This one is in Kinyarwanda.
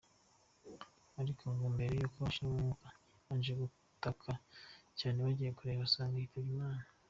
Ariko ngo mbere yuko ashiramo umwuka yabanje gutaka cyane bagiye kureba basanga yitabye Imana.